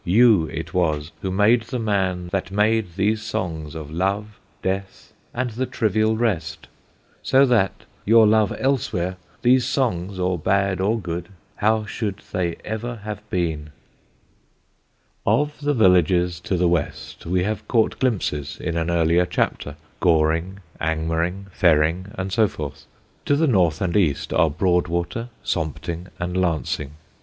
You it was made the man That made these songs of love, Death, and the trivial rest: So that, your love elsewhere, These songs, or bad or good How should they ever have been? [Illustration: Sompting.] [Sidenote: SOMPTING] Of the villages to the west we have caught glimpses in an earlier chapter Goring, Angmering, Ferring, and so forth; to the north and east are Broadwater, Sompting and Lancing.